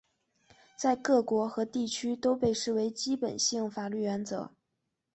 在各国和地区都被视为基本性法律原则。